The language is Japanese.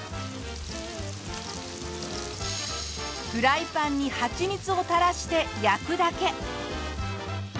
フライパンにはちみつを垂らして焼くだけ！